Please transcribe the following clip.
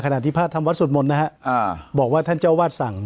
ที่พระทำวัดสวดมนต์นะฮะบอกว่าท่านเจ้าวาดสั่ง